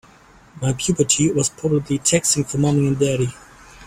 My puberty was probably taxing for mommy and daddy.